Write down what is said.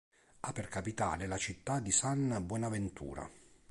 Ha per capitale la città di San Buenaventura.